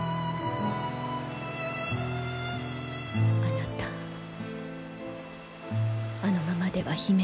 あなたあのままでは姫は。